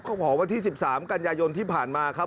ของวันที่๑๓กันยายนที่ผ่านมาครับ